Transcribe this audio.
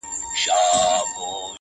ټولنه چوپتيا ته ترجېح ورکوي تل,